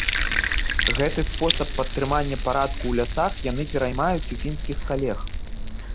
Гэты спосаб падтрымання парадку ў лясах яны пераймаюць у фінскіх калег.